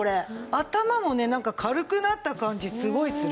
頭もねなんか軽くなった感じすごいする。